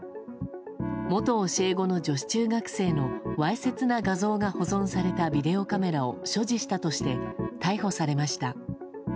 元教え子の女子中学生のわいせつな画像が保存されたビデオカメラを所持したとして逮捕されました。